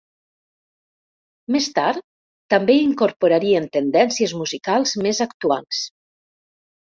Més tard, també incorporarien tendències musicals més actuals.